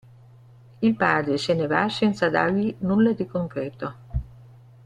Il padre se ne va senza dargli nulla di concreto.